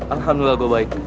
alhamdulillah gue baik